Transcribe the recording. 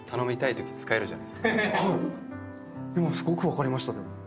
今すごく分かりましたでも。